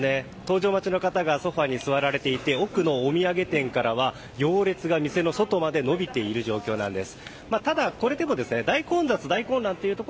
搭乗待ちの人がソファに座られててお土産店の行列が店の外まで伸びている状況なんです。